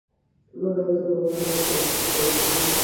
مګر زه ګومان نه کوم چې پوځي مقامات زما دا عقیده ومني.